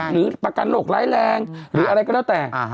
หรือประกันโรคร้ายแรงหรืออะไรก็แล้วแต่